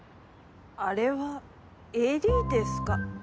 あれは襟ですか？